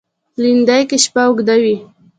لېندۍ کې شپه اوږده وي.